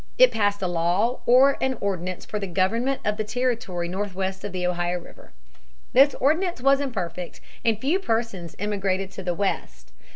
It passed a law or an ordinance for the government of the Territory Northwest of the Ohio River. This ordinance was imperfect, and few persons emigrated to the West.